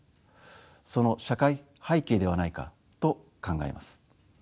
その社会背景ではないかと考えます。